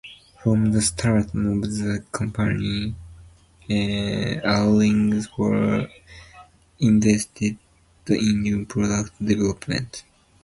From the start of the company, earnings were invested in new product development.